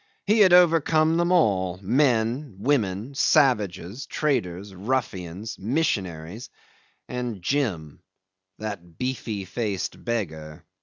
He had overcome them all men, women, savages, traders, ruffians, missionaries and Jim "that beefy faced beggar."